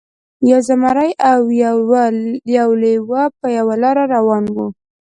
یو زمری او یو لیوه په یوه لاره روان وو.